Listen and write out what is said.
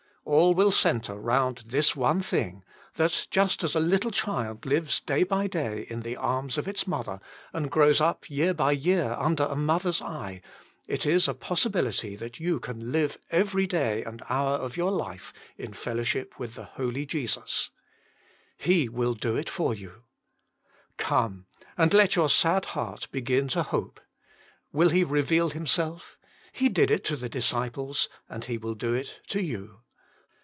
All will center round this one thing, that just as a little child lives day by day in the arms of its mother, and grows up year by year under a mother's eye, it is a possi bility that you can live every day and hour of your life in fellowship with the Holy Jesus. f)e will Oo it for i^ou* Come, and let your sad heart begin to hope. Will He reveal Himself ? He did it to the disciples and He will do it to you.